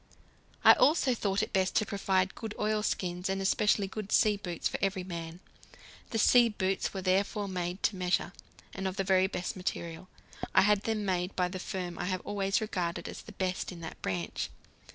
I also thought it best to provide good oilskins, and especially good sea boots for every man. The sea boots were therefore made to measure, and of the very best material. I had them made by the firm I have always regarded as the best in that branch.